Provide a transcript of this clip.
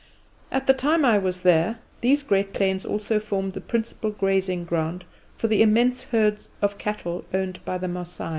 At the time I was there, these great plains also formed the principal grazing ground for the immense herds of cattle owned by the Masai.